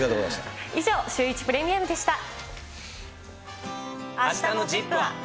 以上、シューイチプレミアムあしたのＺＩＰ！は。